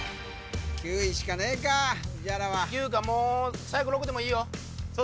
９位しかねえか宇治原は９かもう最後６でもいいよ